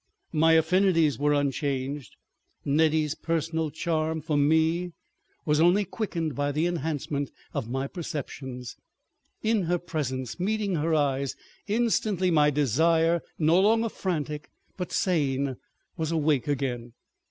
My affinities were unchanged; Nettie's personal charm for me was only quickened by the enhancement of my perceptions. In her presence, meeting her eyes, instantly my desire, no longer frantic but sane, was awake again.